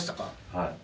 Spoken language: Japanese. はい。